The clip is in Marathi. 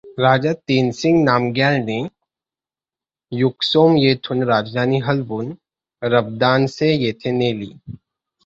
राजा तेनसिंग नामग्यालने युकसोम येथून राजधानी हलवून रबदानसे येथे नेली.